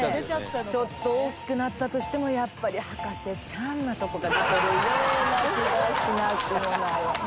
ちょっと大きくなったとしてもやっぱり博士ちゃんなとこが出てるような気がします。